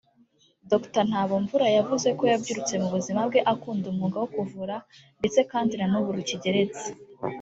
Dr Ntabomvura yavuze ko yabyirutse mu buzima bwe akunda umwuga wo kuvura kandi na n’ubu rukigeretse